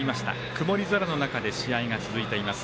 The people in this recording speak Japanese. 曇り空の中で試合が続いています。